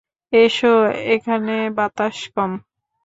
এসো, এখানে বাতাস কম।